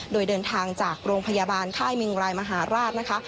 โดยเดินทางจากโรงพยาบาลค่ายมิงรายมหาราชนะคะ